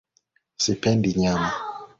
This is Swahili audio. Sipendi nyama.